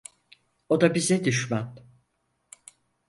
O da bize düşman…